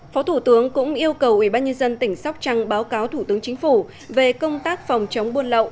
phó thủ tướng cũng yêu cầu ubnd tỉnh sóc trăng báo cáo thủ tướng chính phủ về công tác phòng chống buôn lậu